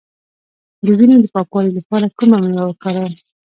د وینې د پاکوالي لپاره کومه میوه وکاروم؟